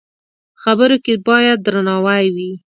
خبرو کې باید درناوی وي